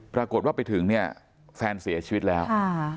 ปรากฏว่าไปถึงเนี่ยแฟนเสียชีวิตแล้ว